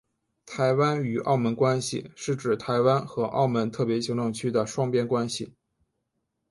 台湾与澳门关系是指台湾和澳门特别行政区的双边关系。